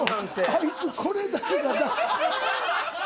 あいつ、これだけが。